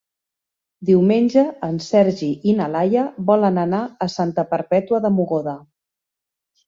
Diumenge en Sergi i na Laia volen anar a Santa Perpètua de Mogoda.